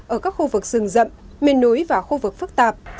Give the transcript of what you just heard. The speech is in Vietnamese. ở các khu vực rừng rậm miền núi và khu vực phức tạp